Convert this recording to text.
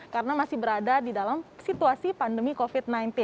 karena masih berada di dalam situasi pandemi covid sembilan belas